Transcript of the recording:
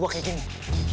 tantangan buat dia